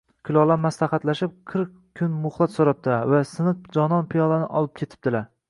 Kulollar maslahatlashib qirq kun muhlat so‘rabdilar va siniq jonon piyolani olib ketibdilar